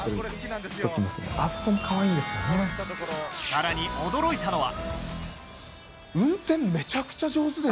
さらに驚いたのは。